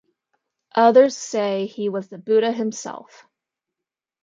Others say he was the Buddha himself.